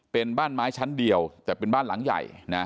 เป็นบ้านไม้ชั้นเดียวแต่เป็นบ้านหลังใหญ่นะ